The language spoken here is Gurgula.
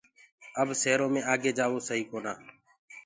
اب سيرو مي آگي جآوو سئي ڪونآ۔